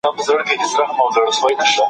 هغې د دې مادې په لیدو حیرانتیا احساس کړه.